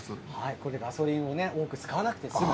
これでガソリンを多く使わなくて済む。